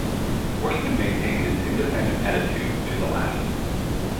Horsman maintained his independent attitude to the last.